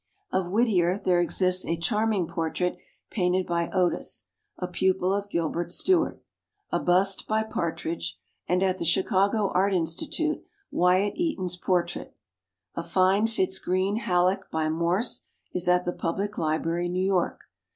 Of Whittier there exists a charm ing portrait painted by Otis, a pupil of Gilbert Stuart, a bust by Partridge, and at the Chicago Art Institute, Wy att Eaton's portrait. A fine Fitz Greene Halleck by Morse is at the Public Library, New York.